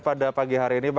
pada pagi hari ini